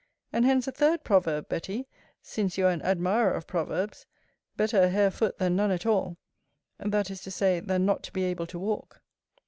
And hence a third proverb, Betty, since you are an admirer of proverbs: Better a hare foot than none at all; that is to say, than not to be able to walk.